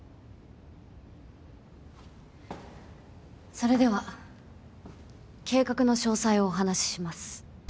それでは計画の詳細をお話しします。